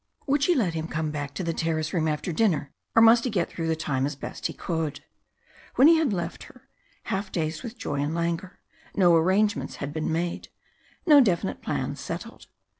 Would she let him come back to the terrace room after dinner, or must he get through the time as best he could? When he had left her, half dazed with joy and languor, no arrangements had been made no definite plans settled.